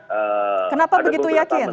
kenapa begitu yakin